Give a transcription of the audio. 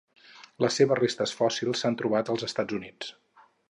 Les seves restes fòssils s'han trobat als Estats Units.